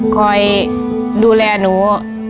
คอยดูแลหนู